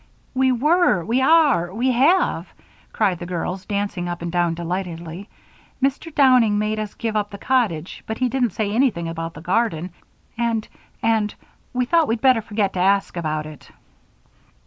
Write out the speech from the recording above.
"We were we are we have," cried the girls, dancing up and down delightedly. "Mr. Downing made us give up the cottage, but he didn't say anything about the garden and and we thought we'd better forget to ask about it."